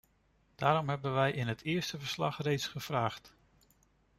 Daarom hebben wij in het eerste verslag reeds gevraagd.